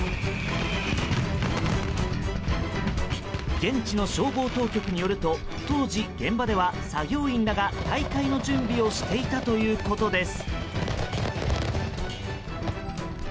現地の消防当局によると当時現場では作業員らが大会の準備をしていたということです。